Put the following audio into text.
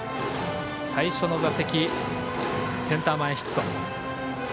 最初の打席、センター前ヒット。